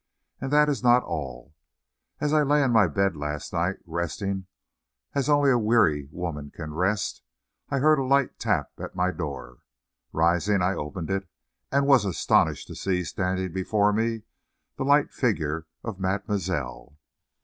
And this is not all. As I lay in my bed last night resting as only a weary woman can rest, I heard a light tap at my door. Rising, I opened it, and was astonished to see standing before me the light figure of mademoiselle.